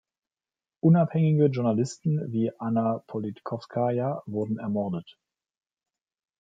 Unabhängige Journalisten wie Anna Politkowskaja wurden ermordet.